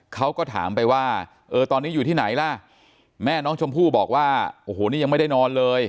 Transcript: เขาก็ถามไปว่าเออตอนนี้อยู่ที่ไหนล่ะแม่น้องชมพู่บอกว่าโอ้โหนี่ยังไม่ได้นอนเลย